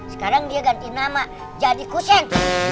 sekarang dia ganti nama jadi kusen